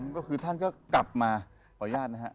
ก็คือท่านก็กลับมาขออนุญาตนะฮะ